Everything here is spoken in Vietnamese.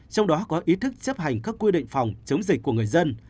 trong đó có ý thức chấp hành các quy định phòng chống dịch của người dân